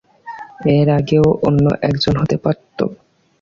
এর আগেও অন্য একজন হতে পারত।